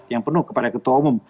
yang penuh kepada ketua umum